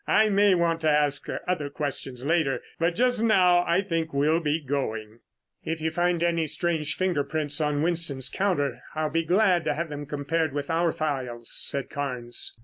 I may want to ask other questions later, but just now I think we'll be going." "If you find any strange finger prints on Winston's counter, I'll be glad to have them compared with our files," said Carnes.